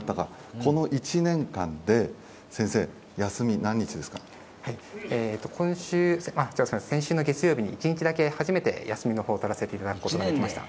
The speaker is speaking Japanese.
この１年間で先生、休み何日ですか先週の月曜日に一日だけ、初めて休みを取らせていただくことができました。